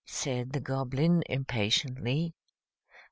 said the Goblin, impatiently.